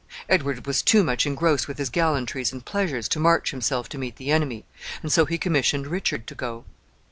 Edward was too much engrossed with his gallantries and pleasures to march himself to meet the enemy, and so he commissioned Richard to go.